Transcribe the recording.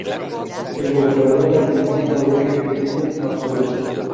El Gobernador mantenía un poder ejecutivo absoluto.